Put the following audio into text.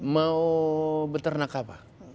mau beternak apa